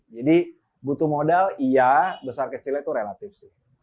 jadi butuh modal iya besar kecilnya itu relatif sih